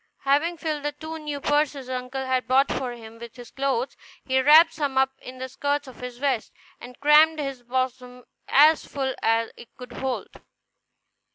Having filled the two new purses his uncle had bought for him with his clothes, he wrapped some up in the skirts of his vest, and crammed his bosom as full as it could hold.